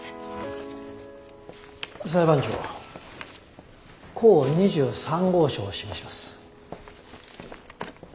裁判長甲２３号証を示します。